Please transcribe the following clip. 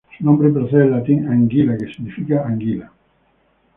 Su nombre procede del latín "anguilla", que significa "anguila".